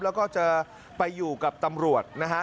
แล้วก็จะไปอยู่กับตำรวจนะฮะ